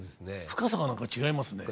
深さが何か違いますね。